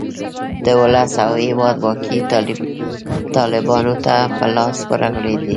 د اولس او هیواد واګې طالیبانو ته په لاس ورغلې دي.